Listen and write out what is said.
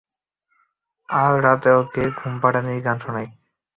আর রাতে ওকে ঘুমপাড়ানির গান শোনায়।